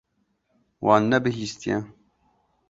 Wan nebihîstiye.